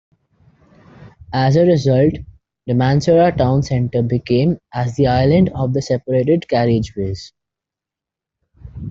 As a result, Damansara Town Centre became as the "island" of the separated carriageways.